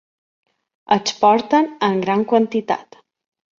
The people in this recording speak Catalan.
Exporten en gran quantitat.